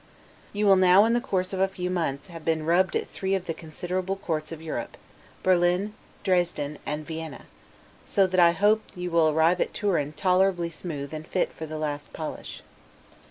You will now, in the course of a few months, have been rubbed at three of the considerable courts of Europe, Berlin, Dresden, and Vienna; so that I hope you will arrive at Turin tolerably smooth and fit for the last polish.